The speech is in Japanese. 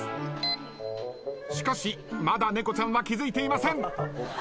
しかしまだ猫ちゃんは気付いていません。